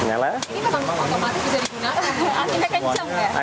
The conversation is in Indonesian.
ini memang otomatis bisa digunakan